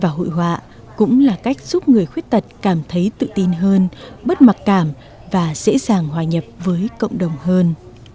và hội họa cũng là cách giúp người khuyết tật cảm thấy tự tin hơn bất mặc cảm và dễ dàng hòa nhập với cộng đồng hơn